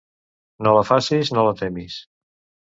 No la facis, no la temis.